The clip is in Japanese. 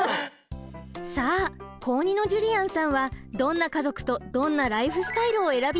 さあ高２のジュリアンさんはどんな家族とどんなライフスタイルを選びたいと思っているのかな。